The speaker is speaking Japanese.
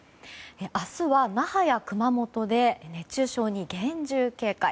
明日は、那覇や熊本で熱中症に厳重警戒。